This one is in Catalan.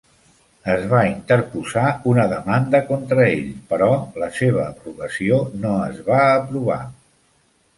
Es va interposar una demanda contra ell, però la seva abrogació no es va aprovar.